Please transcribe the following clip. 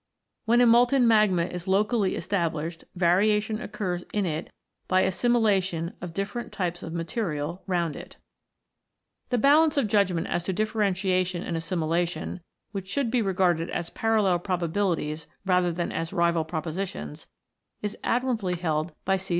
When a molten magma is locally established, variation occurs in it by assimilation of diflerent types of material round it. c. 130 ROCKS AND THEIR ORIGINS [CH. The balance of judgment as to differentiation and assimilation, which should be regarded as parallel probabilities rather than as rival propositions, is admirably held by C.